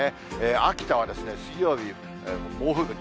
秋田は水曜日、猛吹雪。